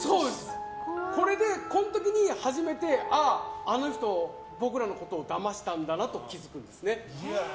これでこの時に初めて、あの人僕らのことをだましたんだなと気づくんですね。